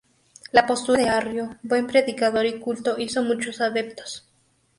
La postura de Arrio, buen predicador y culto, hizo muchos adeptos.